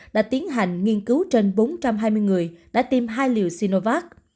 đã tiến hành nghiên cứu trên bốn trăm hai mươi người đã tiêm hai liều sinovac